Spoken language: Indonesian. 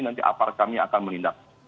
nanti aparat kami akan menindak